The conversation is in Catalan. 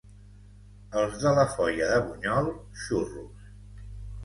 Els de la Foia de Bunyol, xurros.